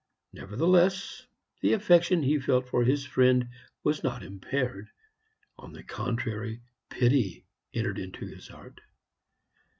Nevertheless, the affection he felt for his friend was not impaired; on the contrary, pity entered into his heart.